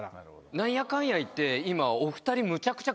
何やかんや言って今。